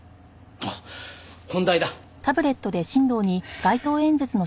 あっ本題だ。